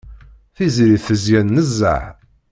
Tiziri tezyen nezzeh.